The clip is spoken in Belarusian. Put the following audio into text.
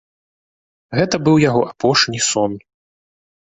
Гэта быў яго апошні сон.